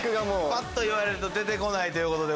ぱっと言われると出て来ない。